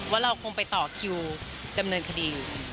ว่าเราคงไปต่อคิวดำเนินคดีอยู่